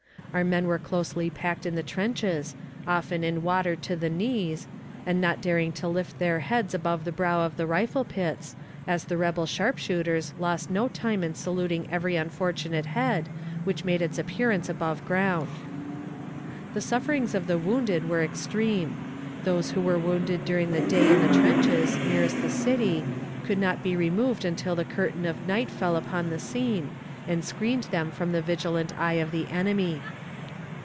Our men were closely packed in the trenches, often in water to the knees, and not daring to lift their heads above the brow of the rifle pits, as the rebel sharpshooters lost no time in saluting every unfortunate head which made its appearance above ground. The sufferings of the wounded were extreme. Those who were wounded during the day in the trenches nearest the city could not be removed until the curtain of night fell upon the scene and screened them from the vigilant eye of the enemy.